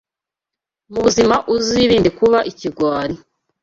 m’ ubuzima uzirinde kuba ikigwari: